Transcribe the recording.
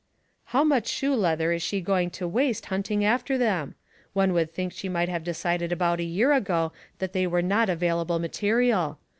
" How much shoe leather is she going to waste hunting after them? One would think *he might have decided about a year ago that Raisins. 25 they were not available material.